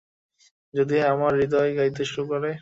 যদি আমার হৃদয় গাইতে শুরু করে।